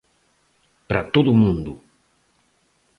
Para todo o mundo.